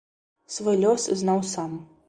Свой лёс знаў сам.